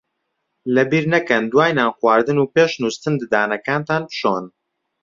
لەبیر نەکەن دوای نان خواردن و پێش نووستن ددانەکانتان بشۆن.